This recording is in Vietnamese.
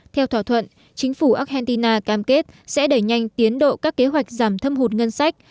theo thỏa thuận chính phủ argentina cam kết sẽ đẩy nhanh tiến độ các kế hoạch giảm thâm hụt ngân sách